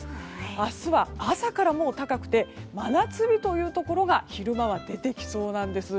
明日は朝から高くて真夏日というところが昼間は出てきそうなんです。